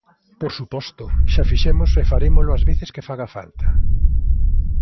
Por suposto, xa o fixemos e farémolo as veces que faga falta.